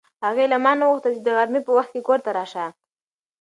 هغې له ما نه وغوښتل چې د غرمې په وخت کې کور ته راشه.